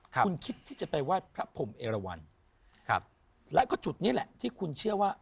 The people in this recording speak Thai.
คุณคิดที่จะไปว่าพระผมเอลวันแล้วก็จุดนี้แหละที่คุณเชื่อว่า